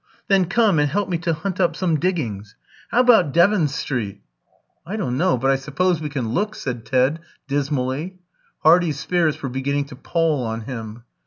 "Then come and help me to hunt up some diggings. How about Devon Street?" "I don't know; but I suppose we can look," said Ted, dismally. Hardy's spirits were beginning to pall on him.